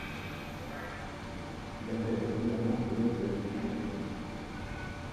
Il accueille régulièrement des vols de l'aviation d'affaires.